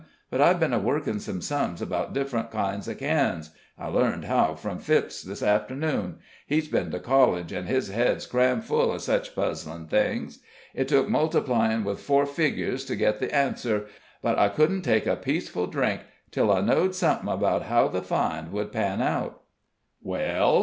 But I've been a workin' some sums about different kinds of cans I learned how from Phipps, this afternoon he's been to college, an' his head's cram full of sech puzzlin' things. It took multiplyin' with four figures to git the answer, but I couldn't take a peaceful drink till I knowed somethin' 'bout how the find would pan out." "Well?"